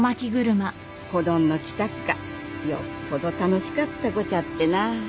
子どんの来たっがよっぽど楽しかったごちゃってなあ。